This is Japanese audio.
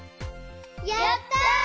やった！